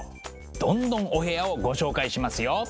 どんどんお部屋をご紹介しますよ。